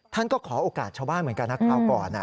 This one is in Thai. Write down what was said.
ท่านก็ขอโอกาสชาวบ้านเหมือนกันนะคราวก่อน